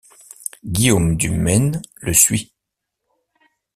Guillaume Du Mayne le suit.